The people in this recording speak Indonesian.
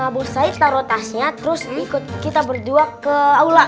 bos said taro tasnya terus ikut kita berdua ke aula